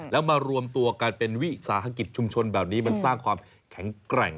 แล้วมารวมตัวกันเป็นวิสาหกิจชุมชนแบบนี้มันสร้างความแข็งแกร่ง